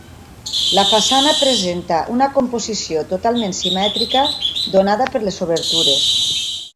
La façana presenta una composició totalment simètrica donada per les obertures.